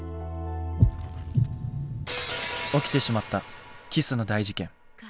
起きてしまったキスの大事件。